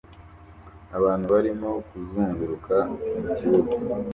Abantu barimo kuzunguruka mukibuga